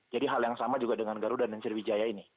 hal yang sama juga dengan garuda dan sriwijaya ini